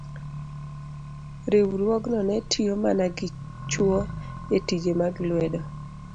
riwruogno ne tiyo mana gi chwo e tije mag lwedo.